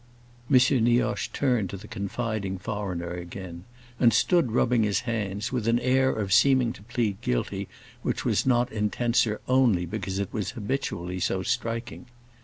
M. Nioche turned to the confiding foreigner again, and stood rubbing his hands, with an air of seeming to plead guilty which was not intenser only because it was habitually so striking.